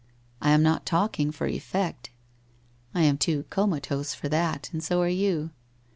I am not talking for effect. I am too comatose for that, and so are you.